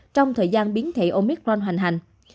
trong thời gian biến thể omicron hoành hành